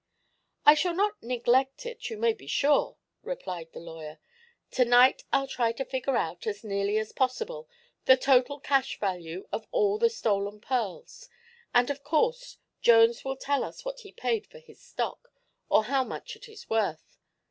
"I shall not neglect it, you may be sure," replied the lawyer. "Tonight I'll try to figure out, as nearly as possible, the total cash value of all the stolen pearls, and of course Jones will tell us what he paid for his stock, or how much it is worth.